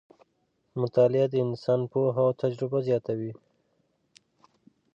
مطالعه د انسان پوهه او تجربه زیاتوي